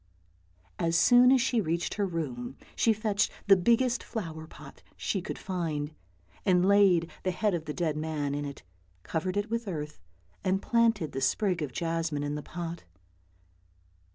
As soon as she reached her room she fetched the biggest flower pot she could find, and laid the head of the dead man in it, covered it with earth, and planted the sprig of jasmine in the pot.